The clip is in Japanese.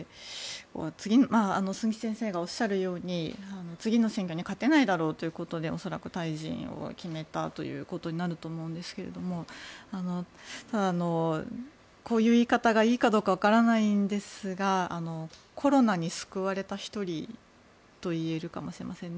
鈴木先生がおっしゃるように次の選挙に勝てないだろうということで恐らく退陣を決めたということになると思うんですけどもただ、こういう言い方がいいかどうかわからないんですがコロナに救われた１人と言えるかもしれませんね。